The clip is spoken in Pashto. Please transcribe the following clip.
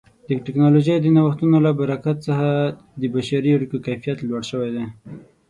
د ټکنالوژۍ د نوښتونو له برکت څخه د بشري اړیکو کیفیت لوړ شوی دی.